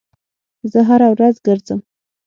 زه هره ورځ ګرځم